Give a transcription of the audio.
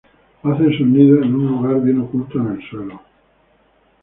Hacen sus nidos en un lugar bien oculto en el suelo.